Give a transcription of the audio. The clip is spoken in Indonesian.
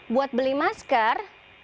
buat beli masker